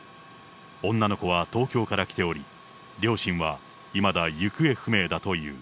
女の子は東京から来ており、両親はいまだ行方不明だという。